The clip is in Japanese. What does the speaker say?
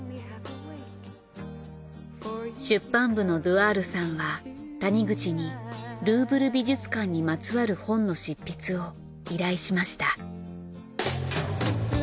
出版部のドゥアールさんは谷口にルーヴル美術館にまつわる本の執筆を依頼しました。